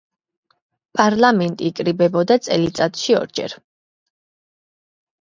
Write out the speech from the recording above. პარლამენტი იკრიბებოდა წელიწადში ორჯერ.